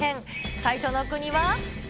最初の国は。